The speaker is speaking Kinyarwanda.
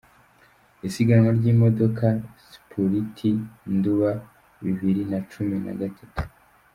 Isiganwa ry’imodoka sipuriti Nduba bibiri na cumi na gatatu